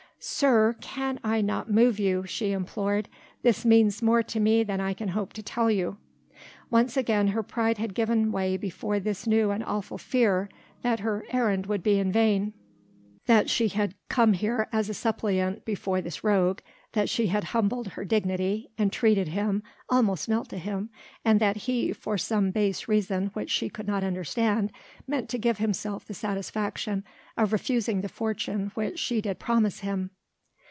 "Sir, can I not move you," she implored, "this means more to me than I can hope to tell you." Once again her pride had given way before this new and awful fear that her errand would be in vain, that she had come here as a suppliant before this rogue, that she had humbled her dignity, entreated him, almost knelt to him, and that he, for some base reason which she could not understand, meant to give himself the satisfaction of refusing the fortune which she did promise him.